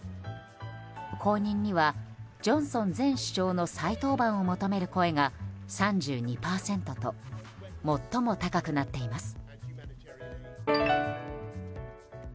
後任には、ジョンソン前首相の再登板を求める声が３２％と最も高くなっています。